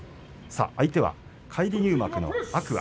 相手は返り入幕の天空海。